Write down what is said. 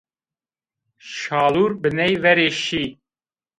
Şalûr biney verî şî